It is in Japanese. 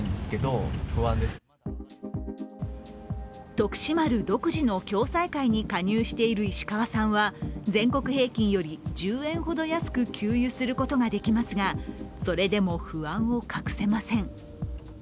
とくし丸独自の共済会に加入している石川さんは全国平均より１０円ほど安く給油することができますが、それでも不安を隠せません。